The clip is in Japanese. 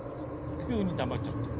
急に黙っちゃって。